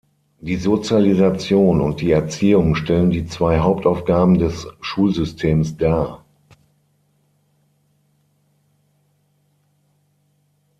Die Sozialisation und die Erziehung stellen die zwei Hauptaufgaben des Schulsystems dar.